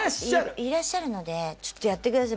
いらっしゃるのでちょっとやってください。